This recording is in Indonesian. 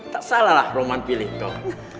tak salah lah roman pilih dong